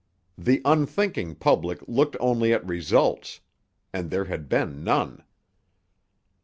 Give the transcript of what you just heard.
The unthinking public looked only at results—and there had been none.